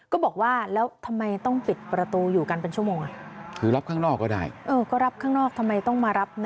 ก็บอกว่าแล้วทำไมต้องปิดประตูอยู่กันเป็นชั่วโมง